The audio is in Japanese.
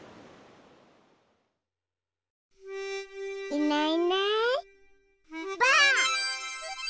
いないいないばあっ！